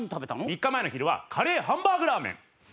３日前の昼はカレーハンバーグラーメン！